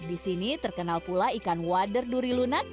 di sini terkenal pula ikan wader duri lunak